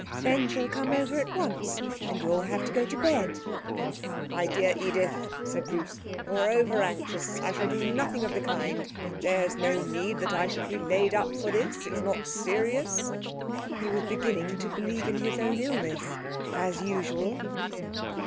Then she'll come over at once, and you'll have to go to bed.' 'My dear Edith,' said Bruce, 'you're over anxious; I shall do nothing of the kind. There's no need that I should be laid up for this. It's not serious.' He was beginning to believe in his own illness, as usual.